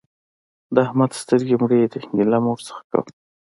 د احمد سترګې مړې دي؛ ګيله مه ورڅخه کوه.